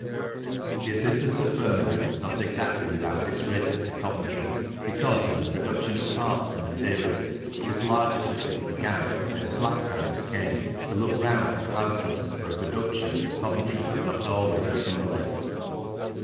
The assistance of Birmingham was not exactly without its risk to Coventry, because in the production of parts and materials this larger city began, when slack times came, to look round for outlets for a production that MATERIALS 29 Coventry could not always assimilate.